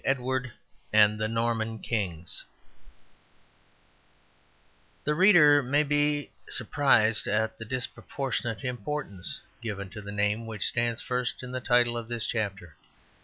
EDWARD AND THE NORMAN KINGS The reader may be surprised at the disproportionate importance given to the name which stands first in the title of this chapter.